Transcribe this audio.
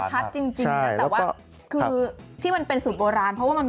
ข้างบัวแห่งสันยินดีต้อนรับทุกท่านนะครับ